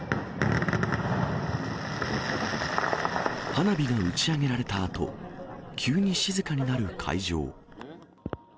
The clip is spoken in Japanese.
花火が打ち上げられたあと、急に静かになる会場。